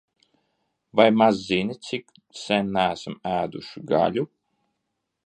Vai maz zini, cik sen neesam ēduši gaļu?